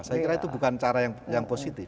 saya kira itu bukan cara yang positif